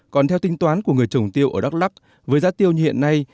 còn theo tính toán của người trồng tiêu ở đắk lắc với giá tiêu như hiện nay